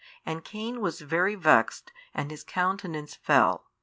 And Cain was very vexed and his countenance fell.